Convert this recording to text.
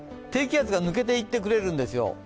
低気圧が抜けていってくれるんですよ。